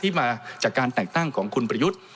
มาจากการแต่งตั้งของคุณประยุทธ์